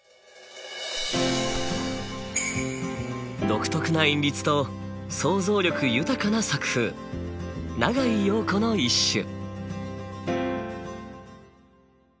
独特な韻律と創造力豊かな作風永井陽子の一首。